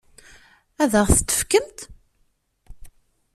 Ad ɣ-t-tefkemt?